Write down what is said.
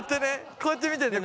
こうやって見てんだよ。